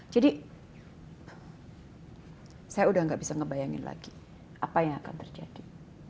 jadi saya sudah gak bisa membayangkan lagi apa yang akan terjadi